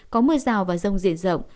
có mưa rào và rông diện rộng